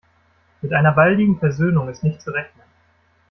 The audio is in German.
Mit einer baldigen Versöhnung ist nicht zu rechnen.